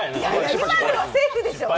今のはセーフでしょ。